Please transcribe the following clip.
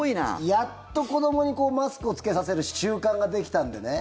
やっと子どもにマスクを着けさせる習慣ができたのでね。